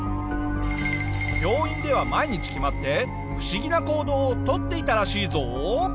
病院では毎日決まって不思議な行動を取っていたらしいぞ。